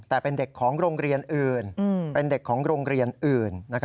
แต่เป็นเด็กของโรงเรียนอื่น